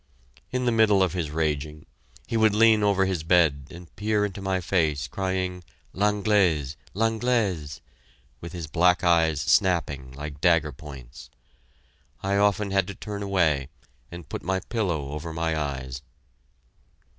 In the middle of his raging, he would lean over his bed and peer into my face, crying "L'Anglaise l'Anglaise," with his black eyes snapping like dagger points. I often had to turn away and put my pillow over my eyes.